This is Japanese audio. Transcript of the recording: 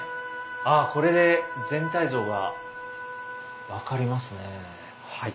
ああこれで全体像が分かりますねえ。